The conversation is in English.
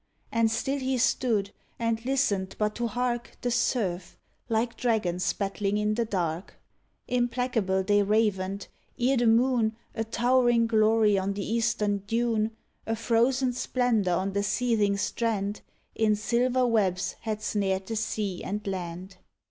And still he stood, and listened but to hark The surf, like dragons battling in the dark; Implacable they ravened, ere the moon, A towering glory on the eastern dune, A frozen splendor on the seething strand, In silver webs had snared the sea and land.